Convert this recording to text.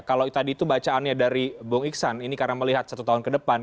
kalau tadi itu bacaannya dari bung iksan ini karena melihat satu tahun ke depan